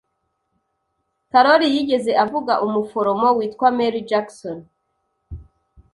Karoli yigeze avuga umuforomo witwa Mary Jackson?